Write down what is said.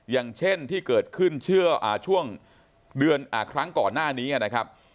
อย่างเช่นที่เกิดขึ้นช่วงเดือนครั้งก่อนหน้านี้นะครับ